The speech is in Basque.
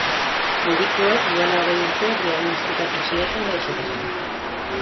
Medikuek duela hogei urte diagnostikatu zioten gaixotasuna.